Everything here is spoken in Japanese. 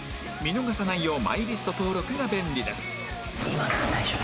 見逃さないようマイリスト登録が便利です